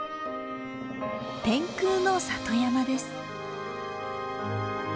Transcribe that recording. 天空の里山です。